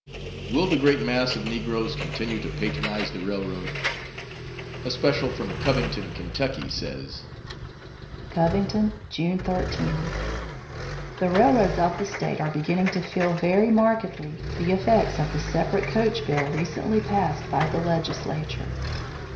Will the great mass of Negroes continue to patronize the railroad? A special from Covington, Ky., says: Covington, June 13. The railroads of the State are beginning to feel very markedly, the effects of the separate coach bill recently passed by the Legislature.